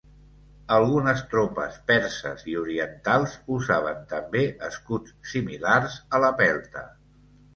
Algunes tropes perses i orientals usaven també escuts similars a la pelta.